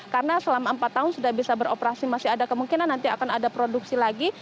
karena selama empat tahun sudah bisa beroperasi masih ada kemungkinan nanti akan ada produksi lagi